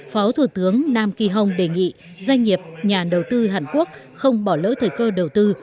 phó thủ tướng nam kỳ hồng đề nghị doanh nghiệp nhà đầu tư hàn quốc không bỏ lỡ thời cơ đầu tư